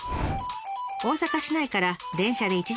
大阪市内から電車で１時間ほど。